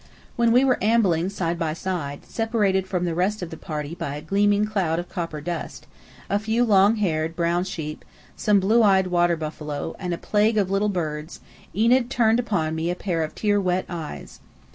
When we were ambling side by side, separated from the rest of the party by a gleaming cloud of copper dust, a few long haired, brown sheep, some blue eyed water buffalo, and a plague of little birds, Enid turned upon me a pair of tear wet eyes.